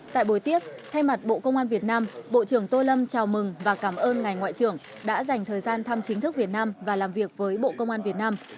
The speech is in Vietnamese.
tại buổi tiếp thay mặt bộ công an việt nam bộ trưởng tô lâm chào mừng và cảm ơn ngài ngoại trưởng đã dành thời gian thăm chính thức việt nam và làm việc với bộ công an việt nam